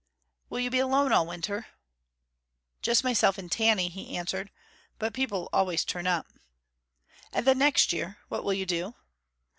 "Will you be alone all winter?" "Just myself and Tanny," he answered. "But people always turn up." "And then next year, what will you do?"